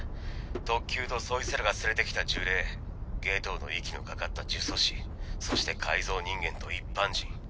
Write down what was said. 特級とそいつらが連れてきた呪霊夏油の息の掛かった呪詛師そして改造人間と一般人。